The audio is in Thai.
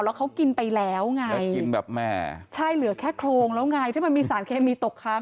แล้วเขากินไปแล้วไงใช่เหลือแค่โครงแล้วไงเพราะมันมีสารเคมีตกค้าง